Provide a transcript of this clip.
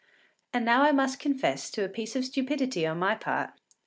And now I must confess to a piece of stupidity on my part.